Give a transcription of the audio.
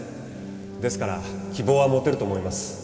ですから希望は持てると思います